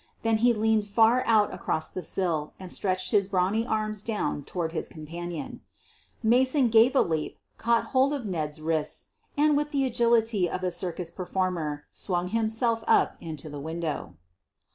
Then he leaned far out across the sill and stretched his brawny arms down toward Lis companion. Mason gave a leap, caught hold of Ned's wrists, 124 SOPHIE LYONS and, with the agility of a circus performer, swung himself up into the window.